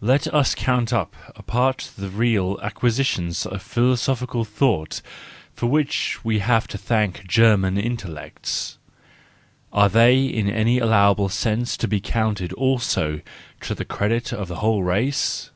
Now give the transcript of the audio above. "—Let us count up apart the real acquisitions of philosophical thought for which we have to thank German intellects: are they in any allowable sense to be counted also to the credit of the whole race